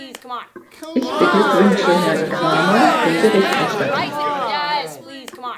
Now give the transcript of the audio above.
Ich beglückwünsche Herrn Krahmer, den Berichterstatter.